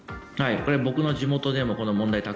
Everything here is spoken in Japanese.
これ、僕の地元でもこの問題